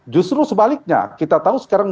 justru sebaliknya kita tahu sekarang